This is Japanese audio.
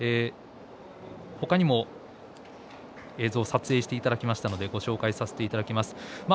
ほかにも映像を撮影していただきましたのでご紹介します。